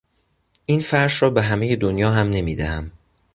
این فرش را به همهی دنیا هم نمیدهم!